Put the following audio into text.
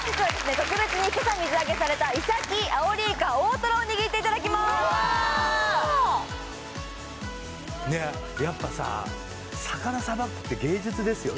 特別に今朝水揚げされたイサキアオリイカ大トロを握っていただきます・うわねえやっぱさ魚さばくって芸術ですよね